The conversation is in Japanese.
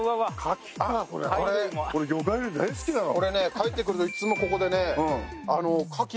帰ってくるといつもここでねカキ。